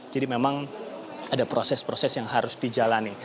jadi memang ada proses proses yang harus dijalani